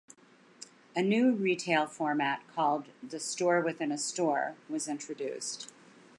A new retail format called the "store within a store" was introduced.